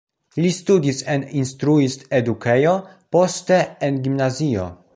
Li studis en instruist-edukejo, poste en gimnazio.